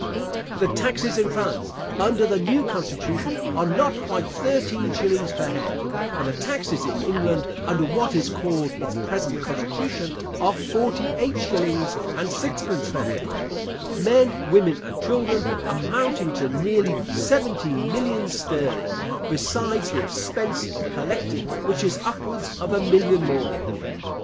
The taxes in France, under the new constitution, are not quite thirteen shillings per head,* and the taxes in England, under what is called its present constitution, are forty eight shillings and sixpence per head men, women, and children amounting to nearly seventeen millions sterling, besides the expense of collecting, which is upwards of a million more.